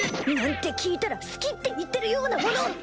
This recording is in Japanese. なんて聞いたら好きって言ってるようなもの。